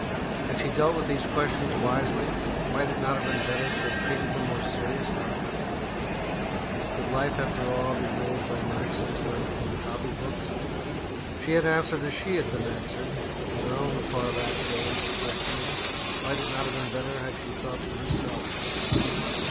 Had she dealt with these questions wisely? Might it not have been better to have treated them more seriously? Could life after all be ruled by maxims learned from copy books? She had answered as she had been answered in her own far back days of questioning. Might it not have been better had she thought for herself?